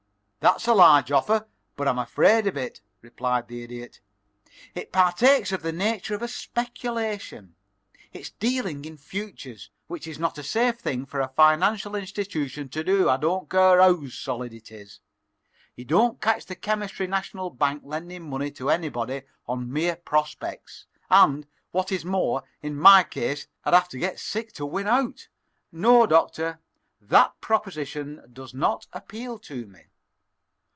"That's a large offer, but I'm afraid of it," replied the Idiot. "It partakes of the nature of a speculation. It's dealing in futures, which is not a safe thing for a financial institution to do, I don't care how solid it is. You don't catch the Chemistry National Bank lending money to anybody on mere prospects, and, what is more, in my case, I'd have to get sick to win out. No, Doctor, that proposition does not appeal to me."